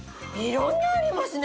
色んなのありますね。